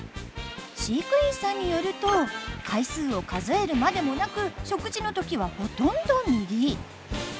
飼育員さんによると回数を数えるまでもなく食事の時はほとんど右。